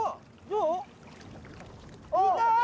どう？